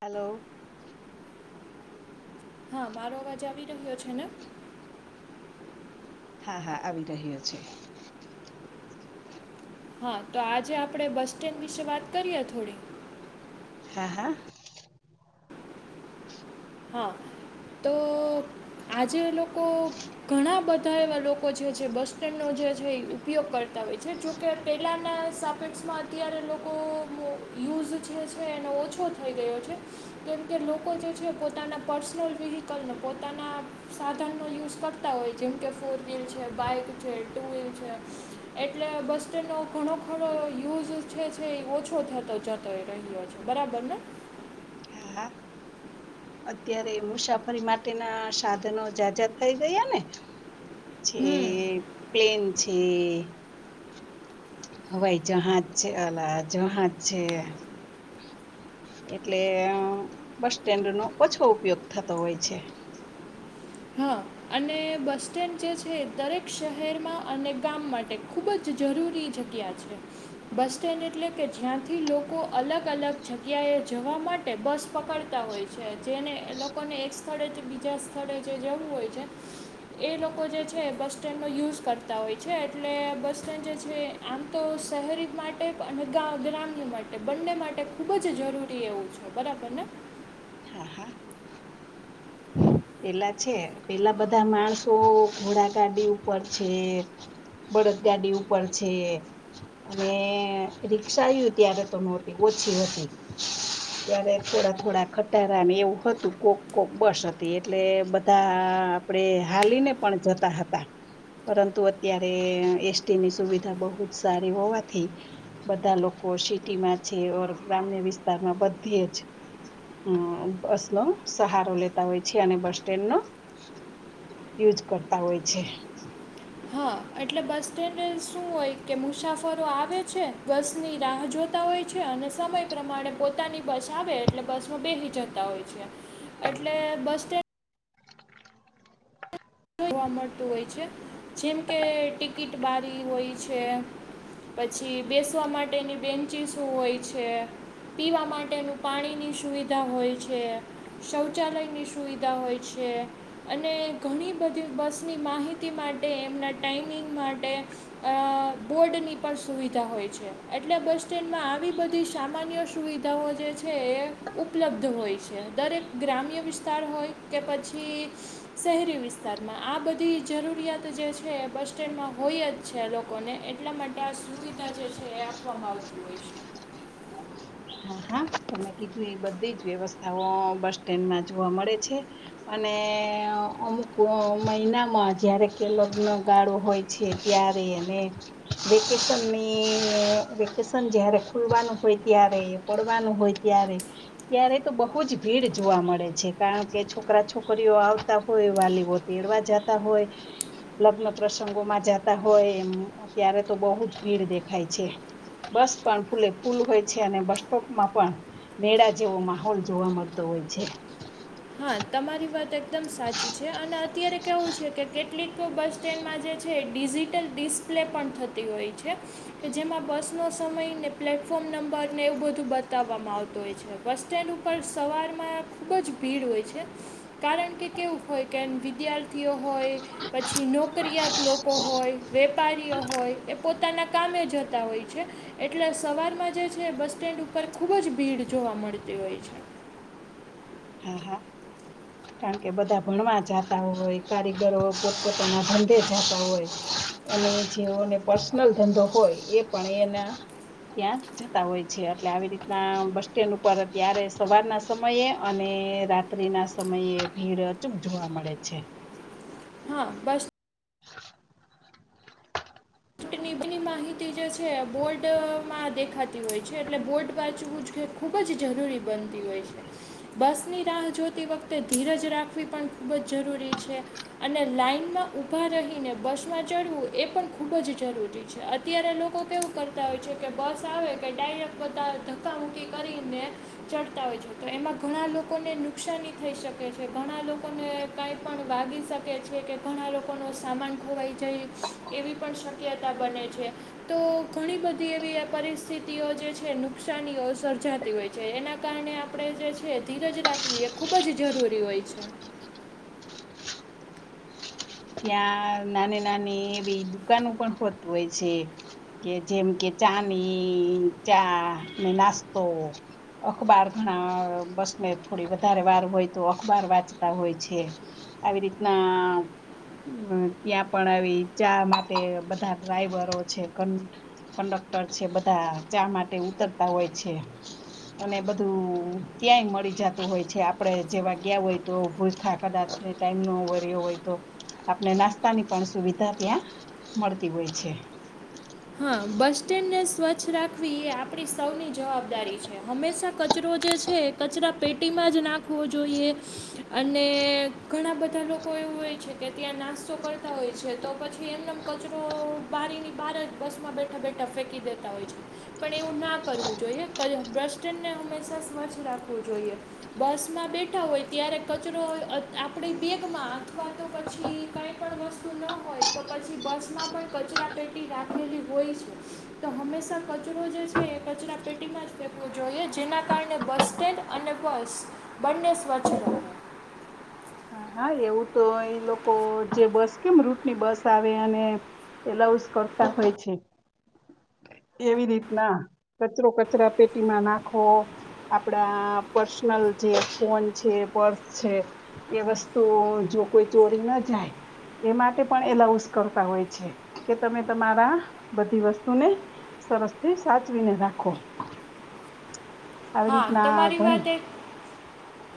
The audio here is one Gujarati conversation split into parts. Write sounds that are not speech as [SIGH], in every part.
હલો હા મારો અવાજ આવી રહ્યો છે ને? હા હા આવી રહ્યો છે. હા તો આજે આપડે બસ સ્ટેન્ડ વિશે વાત કરીએ થોડી હા હા. હા. તો આજે લોકો ઘણા બધા એવા લોકો જે બસ સ્ટેન્ડ નો જ ઉપયોગ કરતા હોય છે જોકે પેલાના સાપેટમાં અત્યારે લોકો યુઝ જે છે એનો ઓછો થઈ ગયો છે કેમકે લોકો જે છે પોતે પોતાના પર્સનલ વ્હીકલને પોતાના સાધનોનો યુઝ કરતા હોય જેમ કે ફોર વ્હીલ છે. બાઇક છે ટુ વ્હીલ છે. એટલે બસ સ્ટેન્ડનો ઘણો ખરો યુઝ છે છે એ ઓછો થતો જતો રહ્યો છે. બરાબરને? [UNINTELLIGIBLE] [INAUDIBLE] હા. અત્યારે મુસાફરી માટેના સાધનો જાજા થઈ ગયા ને છે હમ પ્લેન છે. હવાઈ જહાજ છે, અલા જહાજ છે. એટલે બસ સ્ટેન્ડ નો ઓછો ઉપયોગ થતો હોય છે. હા અને બસ સ્ટેન્ડ જે છે, દરેક શહેરમાં અને ગામ માટે ખૂબ જ જરૂરી. જગ્યા છે, બસ સ્ટેન્ડ એટલે કે જ્યાંથી લોકો અલગ અલગ જગ્યાએ જવામાં માટે બસ પકડતા હોય છે, જેને લોકોને એક સ્થળે બીજા સ્થળે જે જવું હોય. છે [UNINTELLIGIBLE] [INAUDIBLE] એ લોકો જે છે, બસ સ્ટેન્ડનો યુઝ કરતા હોય છે, એટલે બસ સ્ટેન્ડ જે છે, આમ તો શહેરી માટે અને ગ્રામ્ય માટે બંને માટે ખુબ જ જરૂરી એવું છે, બરાબર ને? હા, હા. પેલા છે, પેલા બધા માણસો ઘોડા ગાડી ઉપર છે. બળદગાડી ઉપર છે, અને રિક્ષા આવું ત્યારે તો ન હોતી. ત્યારે થોડા થોડા ખટારાને એવું હતું કોક-કોક બસ હતી. એટલે બધા આપડે હાલીને પણ જતા હતા. પરંતુ અત્યારે એસટી ની સુવિધા બહુ જ સારી હોવાથી બધા લોકો સિટી માં છે, ઓર ગ્રામ્ય વિસ્તારમાં બધી જ હમસમ [INAUDIBLE] સહારો લેવો. હોય છે, અને બસ સ્ટેન્ડ નો યુજ કરતા હોય છે. હા એટલે બસ સ્ટેન્ડ શું હોય કે મુસાફરો આવે છે, બસની રાહ જોતા હોય છે. અને સમય પ્રમાણે પોતાની બસ આવે એટલે બસમાં બેહી જતા હોય છે. એટલે બસ સ્ટેન્ડ જોવા મળતું હોય છે, જેમ કે ટિકિટ બારી હોય છે. પછી બેસવા માટેની બેન્ચીસું હોય છે. પીવા માટેનું પાણીની સુવિધા હોય છે, શૌચાલયની સુવિધા હોય છે. છે, અને ઘણી બધી બસની માહિતી માટે એમના ટાઈમિંગ માટે અ બોર્ડની પણ સુવિધા હોય છે, એટલે બસ સ્ટેન્ડમાં આવી બધી સામાન્ય સુવિ ધાઓ જે છે એ ઉપલબ્ધ હોય છે, દરેક ગ્રામ્ય વિસ્તાર હોય કે પછી શહેરી વિસ્ તારમાં આ બધી જરૂરિયાત જે છે, બસ સ્ટેન્ડમાં હોય જ છે, લોકોને એટલા માટે આ સુવિધા જે છે, એ આપવામાં આવતી હોય છે. હા. હા તમે કીધું એ બધી જ વ્યવસ્થાઓ બસ સ્ટેન્ડમાં જોવા મળે છે, અને અમુક મહિનામાં જયારે કે લગ્ન ગાળો હોય છે, ત્યારે અને વેકેશનની વેકેશન જ્યારે ખુલવાનું હોય ત્યારે પડવાનું હોય ત્યારે ત્યારે તો બહુ જ ભીડ જોવા મળે છે, કારણ કે છોકરા છોકરીઓ આવતા હોય. વાલીઓ તેડવા જતા હોય લગ્ન પ્રસંગોમાં જતા હોય એ અત્યારે તો બહુ જ ભીડ દેખાય છે, બસ પણ ફૂલે ફૂલ હોય છે, અને બસ સ્ટોપમાં પણ મેળા જેવો માહોલ જોવા મળતો હોય છે. હા તમારી વાત એકદમ સાચી છે, અને અત્યારે કેવું છે, કે કેટલીક બસ સ્ટેન્ડમાં જે છે ડિજિટલ ડિસ્પ્લે પણ થતી હોય છે, કે જેમાં બસનો સમય ને પ્લેટફોર્મ નંબર ને એવું બધું બતાવવામાં આવતું હોય છે, બસ સ્ટેન્ડ ઉપર સવાર માં ખુબ જ ભીડ હોય છે, કારણ કે કેવું હોય કે વિદ્યાર્થીઓ હોય પછી નોકરીયાત લોકો હોય વેપારીઓ હોય એ પોતાના કામે જતા હોય છે, એટલે સવારમાં જે છે, બસ સ્ટેન્ડ ઉપર ખૂબ જ ભીડ જો વા મળતી હોય છે. હા હા કારણ કે બધા ભણવા જાતા હોય કારીગરો પોતપોતાના ધંધે જાતા હોય. અને જેઓને પર્સનલ ધંધો હોય એ પણ એના ત્યાં જતા હોય છે એટલે આવી રીતના બસ સ્ટેન્ડ ઉપર અત્યારે સવારના સમયે અને રાત્રિ ના સમયે ભીડ અચૂપ જોવા મળે છે. હા બસ [INAUDIBLE] ની ની માહિતી જે છે બોર્ડમાં દેખાતી હોય છે એટલે બોર્ડ વાંચવું જ ખૂબ જ જરૂરી બનતી હોય છે. બસની રાહ જોતી વખતે ધીરજ રાખવી પણ ખૂબ જ જરૂરી છે અને લાઈનમાં ઉભા રહીને બસ માં ચડવું એ પણ ખૂબ જ જરૂરી છે. અત્યારે લોકો કેવું કરતા હોય છે કે બસ આવે કે ડાયરેક્ટ બધા ધક્ક મુકી કરીને ચડતા હોય છે તો એમાં ઘણા લોકોને નુકસાની થઈ શકે છે ઘણા લોકોને કાંઈ પણ વાત લાગી શકે છે કે ઘણા લોકોનો સામાન ખોવાઈ જાય એવી પણ શક્યતા બને છે. તો ઘણી બધી એવી પરિસ્થિતિઓ જે છે નુકસાનીઓ સર્જાતી હોય છે એના કારણે આપણે જે છે ધીરજ રાખવી એ ખુબ જ જરૂરી હોય છે. [INAUDIBLE] ત્યાં નાની નાની એવી દુકાનો પણ ખોરતું હોય છે કે જેમ કે ચાની ચા ને નાસ્તો અખબાર ઘણા બસ થોડી વધારે વાર હોય તો અખબાર વાંચતા હોય છે આવી રીતના ત્યાં પણ આવી ચા માટે બધા ડ્રાઈવરો છે કંડક ટર છે બધા ચા માટે ઉતરતા હોય છે. અને બધું ક્યાંય મળી જતું હોય છે આપડે જેવા ગયા હોય તો ભૂલખા કદાચ એ ટાઈમ ન વર્યો હોય તો. આપણે નાસ્તાની પણ સુવિધા ત્યાં મળતી હોય છે. હા બસ સ્ટેન્ડ ને સ્વચ્છ રાખવી એ આપણી સૌની જવાબદારી છે હંમેશા કચરો જે છે કચરા પેટીમાં જ નાખવો જોઈએ અને ઘણા બધા લોકો એવું હોય છે કે ત્યાં નાસ્તો કરતા હોય છે તો પછી એમનો કચરો બારી ની બારજ બસમાં બેઠા બેઠા ફેંકી દેતા હોય છે પણ એવું ના કરવું જોઈએ ક બ્રસ સ્ટેન્ડને હંમેશા સ્વચ્છ રાખવું જોઈએ બસમાં બેઠા હોય ત્યારે કચરો હોય આપણી બેગમાં અથવા તો પછી કઈ પણ વસ્તુ ન હોય તો પછી બસ માં પણ ક ચરા પેટી રાખ ખીલી હોય છે તો હંમેશા કચરો જે છે એ કચરા પેટીમાં જ ફેવો જોઈએ જેના કારણે ણે બસ સ્ટેન્ડ અને બસ બંને સ્વચ્છ રહે. [UNINTELLIGIBLE] હ હા એવું તો એ લોકો જે બસ કેમ રૂટની બસ આવે અને એલાઉઝ કરતા હોય છે. એવી રીતના કચરો કચરા પેટીમાં નાખો. આપડા પર્સનલ જે ફોન છે પર્સ છે. એ વસ્તુ જો કોઈ ચોરી ના જાય એ માટે પણ એલાઉશ કરતા હોય છે કે તમે તમારા બધી વસ્તુને સરસ થી સાચવીને રાખો. આવી હા રીતના તમારી ગણે વાત એ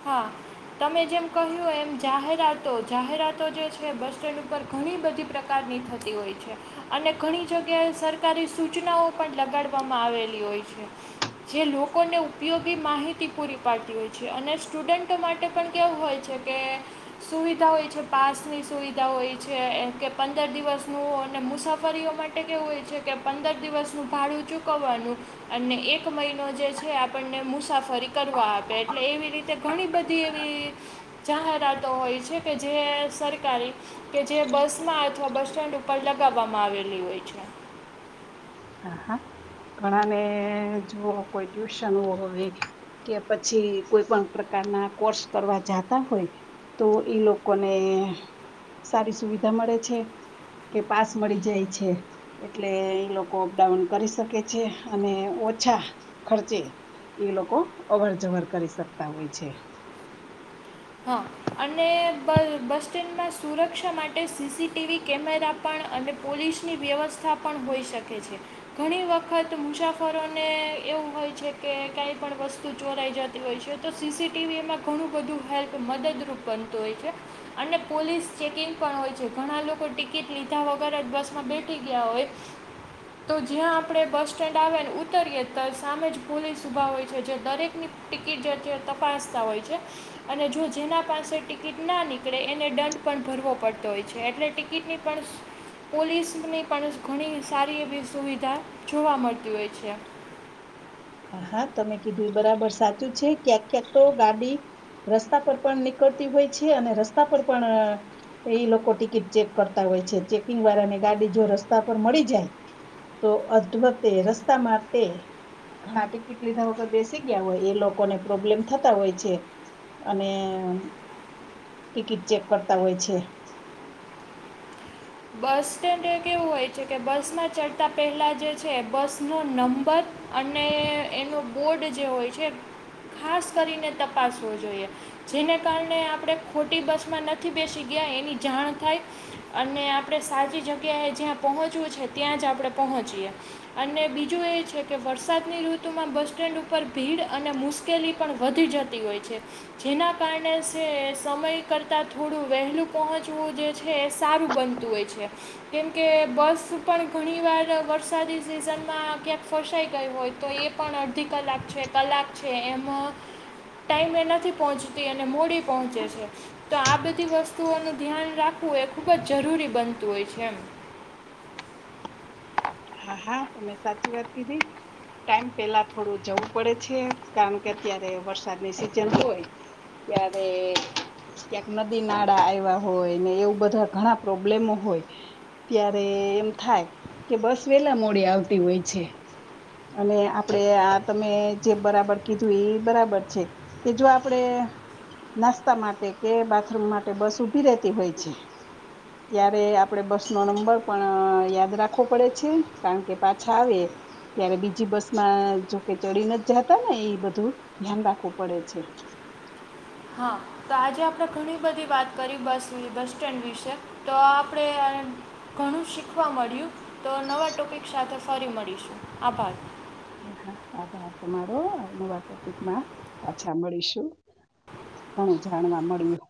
હા. તમે જેમ કહ્યું એમ જાહેરાતો જાહેરાતો જે છે બસ સ્ટેન્ડ ઉપર ઘણી બધી પ્રકાર થતી હોય છે અને ઘણી જગ્યાએ સરકારી સૂચનાઓ પણ લગાડવામાં આવેલી હોય છે. જે લોકોને ઉપયોગી માહિતી પૂરી પાડતી હોય છે અને સ્ટુડન્ટો માટે પણ કેવું હોય છે કે સુવિધા હોય છે પાસની સુવિધા હોય છે કે પંદર દિવસનું અને મુસાફરી તો માટે કેવું હોય છે કે પંદર દિવસનું ભાડું ચૂકવવાનું અને એક મહિનો જે છે અપ પણને મુસાફરી કરવા આપે એટલે એવી રીતે ઘણી બધી એવી જાહેરાતો હોય. કે જે સરકારી કે જે બસમાં અથવા બસ સ્ટેન્ડ ઉપર લગાવવામાં આવેલી હોય. છે. હા હા. ઘણાને જુઓ કોઈ ટ્યુશન હોય કે પછી કોઈ પણ પ્રકાર ના કોર્સ કરવા જતા હોય તો ઈ લોકોને સારી સુવિધા મળે છે કે પાસ મળી જાય છે એટલે એ લોકો અપડાઉન કરી શકે છે અને ઓછા ખર્ચે એ લોકો અવર જવર કરી શકતા હોય છે. હા અને બ બસ સ્ટેન્ડમાં સુરક્ષા માટે C C T V camera પણ અને પોલીસની વ્યવસ્થા પણ હોઈ શકે છે ઘણી વખત મુસાફરોને એવું હોય છે કે કાંઈ પણ વસ્તુ ચોરાઈ જતી હોય છે તો સી સી ટી વીમાં ઘણું બધું હેલ્પ મદદરૂપ બનતું હોય છે. અને પોલીસ ચેકિંગ પણ હોય છે ઘણા લોકો ટિકિટ લીધા વગર બસ માં બેઠી ગયા હોય. તો જ્યાં આપણે બસ સ્ટેન્ડ આવેને ઉતરીએે તો સામે જ પોલીસ ઉઊભા હોય છે જે દરેકની ટિકિટ જે તપાસતા હોય છે. અને જો જેના પાસે ટિકિટ ના નીકળે એને દંડ પણ ભરવો પડતો હોય છે એટલે ટિકિટની પણ પોલીસની પણ ઘણી સારી એવી સુવિધા જોવા મળતી હોય છે. હા હા તમે કીધું એ બરાબર સાચું છે ક્યાંક ક્યાંક તો ગાડી રસ્તા પર પણ નીકળતી હોય છે અને રસ્તા પર પણ એ લોકો ટિકિટ ચેક કરતા હોય છે ચેકિંગ વાળા ની ગાડી જો રસ્તા પર મળી જાય તો અધભતે રસ્તા મા તે હા ટિકિટ લીધા હો તો બેસી ગયા હોય એ લોકોને પ્રોબ્લેમ થતા હોય છે. અને ટિકિટ ચેક કરતા હોય છે. [INAUDIBLE] બસ સ્ટેન્ડે કેવું હોય છે કે બસમાં ચડતા પહેલા જ જે છે બસનો નંબર અને એનો બોર્ડ જે હોય છે ખાસ કરીને તપાસવો જોઈએ. જેને કારણે આપણે ખોટ ટી બસમાં નથી બેસી ગયા એની જાણ થાય અને આપડે સાચી જગ્યાએ જ્યાં પહોંચવું છે ત્યાં જ આપણે પહોંચીએ અને બીજું એ છે કે વરસાદની ઋતુમાં બસ સ્ટેન્ડ ઉપર ભીડ અને મુશ્કેલી પણ વધી જતી હોય છે જેના ના કારણે સે-સમય કરતા થોડું વહેલું પહોંચવું જે છે એ સારું બનતું હોય છે. કેમ કે બસ પણ ઘણીવાર વરસાદી સિઝનમાં ક્યાંક ફસાઈ ગઈ હોય તો એ પણ અડધી કલાક છે કલાક છે એમ ટાઈમે નથી પહોંચતી અને મોડી પહોંચે છે તો આ બધી વસ્તુઓનું ધ્યાન રાખ વું એ ખૂબ જ જરૂરી બનતું હોય છે એમ. હા હા. તમે સાચી વાત કીધી. ટાઈમ પેલા થોડું જવું પડે છે કારણ કે અત્યારે વરસાદની સિઝન હોય ત્યારે ક્યાંક નદી નાળા આવ્યા હોય ને એવું બધા ઘણા પ્રોબ્લેમો હોય ત્યારે એમ થાય કે બસ વેલા મોડી આવતી હોય છે અને આપડે આ તમે જે બરાબર કીધું એ બરાબર છે કે જો આપડે નાસ્તા માટે કે બાથરૂમ માટે બસ ઉભી રે તી હોય છે ત્યારે આપડે બસનો નંબર પણ યાદ રાખવો પડે છે કારણ કે પાછા આવે ત્યારે બીજી બસ માં જોકે ચડી નથ જાતા ને એ બધું ધ્યાન રાખવું પડે છે. [INAUDIBLE] હા, તો આજે આપડે ઘણી બધી વાત કરી બસ જોએ બસ સ્ટેન્ડ વિશે. તો આપણે ઘણું શીખવા મળ્યું તો નવા ટો પીક સાથે ફરી મળીશું, આભાર. હા, આભાર તમારો. નવા ટોપિકમાં પાછા મળીશું. ઘણું જાણવા મળ્યું.